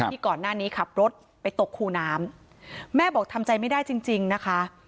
ก่อนหน้านี้ขับรถไปตกคูน้ำแม่บอกทำใจไม่ได้จริงจริงนะคะ